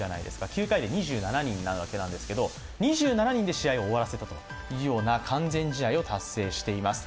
９回で２７人なわけですけれども、２７人で試合を終わらせたという完全試合を達成しています。